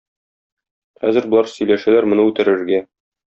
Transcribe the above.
Хәзер болар сөйләшәләр моны үтерергә.